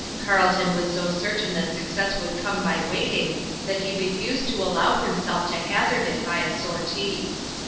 Carleton was so certain that success would come by waiting that he refused to allow himself to hazard it by a sortie.